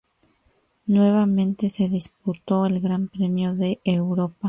Nuevamente se disputó el Gran Premio de Europa.